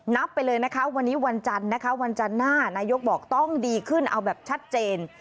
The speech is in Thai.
นับไปเลยนะคะวันนี้วันจันทร์นะคะวันจันทร์หน้านายกบอกต้องดีขึ้นเอาแบบชัดเจน